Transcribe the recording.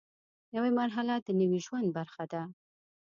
نوې مرحله د نوي ژوند برخه ده